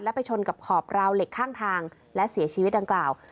ไปชนกับขอบราวเหล็กข้างทางและเสียชีวิตดังกล่าว